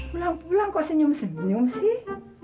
pulang pulang kok senyum senyum sih